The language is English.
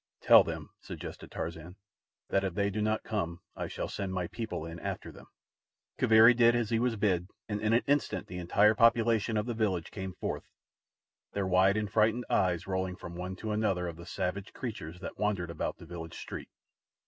"Tell them," suggested Tarzan, "that if they do not come I shall send my people in after them." Kaviri did as he was bid, and in an instant the entire population of the village came forth, their wide and frightened eyes rolling from one to another of the savage creatures that wandered about the village street.